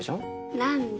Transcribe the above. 何で？